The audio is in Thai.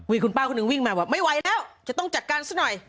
อุ๊ยคุณป้าคนนึงวิ่งมาแบบไม่ไหวแล้วจะต้องจัดการซักหน่อย